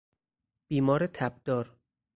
بیمار تبدار